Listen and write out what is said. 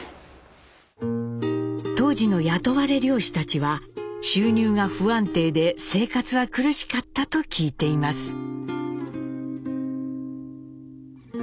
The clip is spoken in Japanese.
当時の雇われ漁師たちは収入が不安定で生活は苦しかったと聞いています。